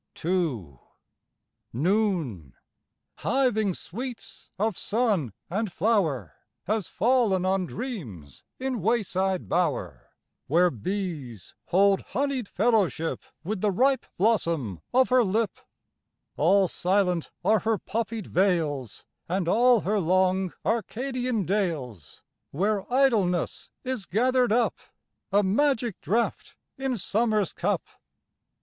II Noon, hiving sweets of sun and flower. Has fallen on dreams in wayside bower, Where bees hold honeyed fellowship With the ripe blossom of her lip ; All silent are her poppied vales And all her long Arcadian dales. Where idleness is gathered up A magic draught in summer's cup.